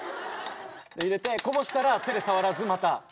入れてこぼしたら手で触らずまた。